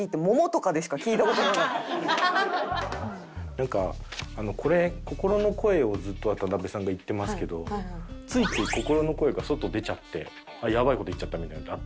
なんかこれ心の声をずっと渡辺さんが言ってますけどついつい心の声が外に出ちゃってやばい事言っちゃったみたいな事あったりします？